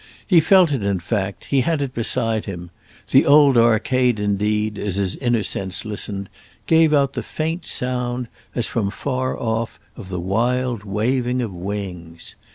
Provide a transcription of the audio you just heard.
He felt it in fact, he had it beside him; the old arcade indeed, as his inner sense listened, gave out the faint sound, as from far off, of the wild waving of wings.